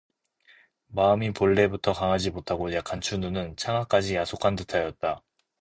마음이 본래부터 강하지못하고 약한 춘우는 창하까지 야속한 듯하였다.